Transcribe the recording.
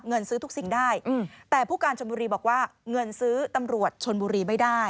เงินซื้อทุกสิ่งได้แต่ผู้การชนบุรีบอกว่าเงินซื้อตำรวจชนบุรีไม่ได้